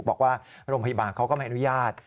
บอกว่าโรงพยาบาลเขาก็ไม่อนุญาต